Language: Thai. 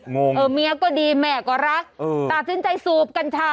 งงเออเมียก็ดีแม่ก็รักตัดสินใจสูบกัญชา